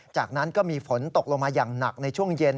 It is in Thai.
จากนั้นก็มีฝนตกลงมาอย่างหนักในช่วงเย็น